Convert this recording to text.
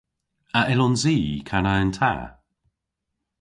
A yllons i kana yn ta?